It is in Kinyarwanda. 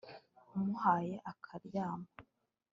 umuhaye akaryama